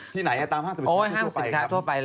ที่ไหนครับตามห้างศึกษัตริย์ทั่วไป